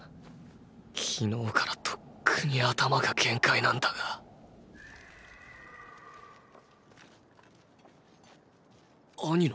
昨日からとっくに頭が限界なんだがアニの。